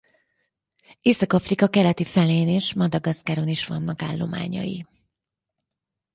Észak-Afrika keleti felén és Madagaszkáron is vannak állományai.